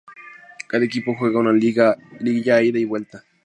Cada equipo juega una liguilla a ida y vuelta.